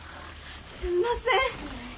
すんません。